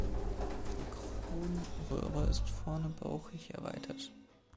Die Kronröhre ist vorne bauchig erweitert.